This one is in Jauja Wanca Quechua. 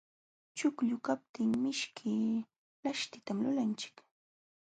Chuqllu kaptin mishki laśhtitan lulanchik.